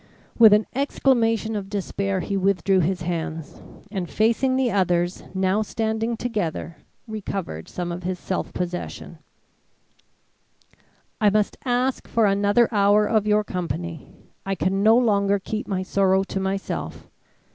With an exclamation of despair, he withdrew his hands, and facing the others now standing together recovered some of his self possession: "I must ask for another hour of your company. I can no longer keep my sorrow to myself.